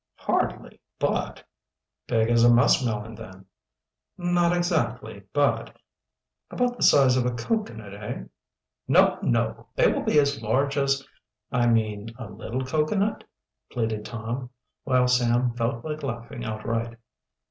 "Hardly, but " "Big as a muskmelon, then?" "Not exactly, but " "About the size of a cocoanut, eh?" "No! no! They will be as large as " "I mean a little cocoanut," pleaded Tom, while Sam felt like laughing outright.